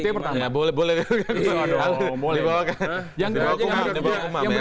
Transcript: itu yang pertama